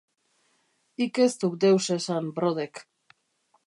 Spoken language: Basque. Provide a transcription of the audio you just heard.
Hik ez duk deus esan, Brodeck.